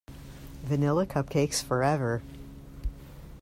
Vanilla cupcakes forever.